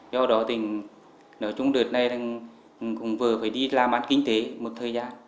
do đó thì nói chung đợt này cũng vừa phải đi làm ăn kinh tế một thời gian